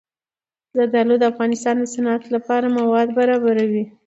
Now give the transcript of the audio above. زردالو د افغانستان د صنعت لپاره مواد برابروي.